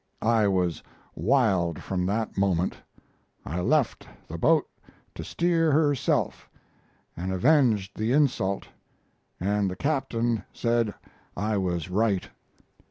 I was wild from that moment. I left the boat to steer herself, and avenged the insult and the captain said I was right."